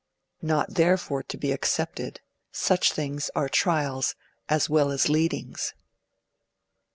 Not therefore to be accepted. Such things are trials as well as leadings.